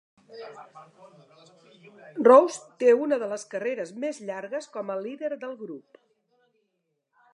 Rose té una de les carreres més llargues com a líder del grup.